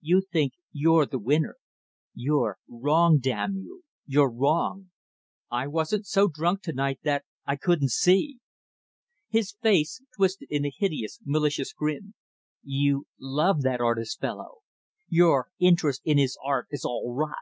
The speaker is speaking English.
You think you're the winner. You're wrong damn you you're wrong. I wasn't so drunk to night that I couldn't see." His face twisted in a hideous, malicious grin. "You love that artist fellow. Your interest in his art is all rot.